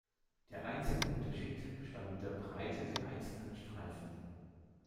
Der einzige Unterschied bestand in der Breite der einzelnen Streifen.